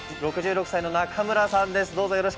６６歳の中村さんです。